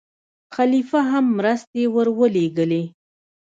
خلیفه هم مرستې ورولېږلې.